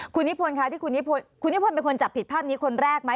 คุณนิพ้นเป็นคนจับผิดภาพนี้คนแรกไหม